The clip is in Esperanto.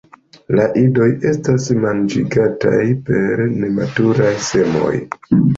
La idoj estas manĝigataj per nematuraj semoj.